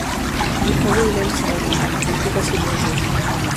J'ai croisé Hélène ce matin, elle te passe le bonjour.